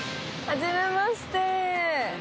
はじめまして。